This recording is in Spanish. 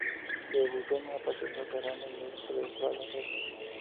Debutó en la pasarela cerrando el evento "Prada Resort".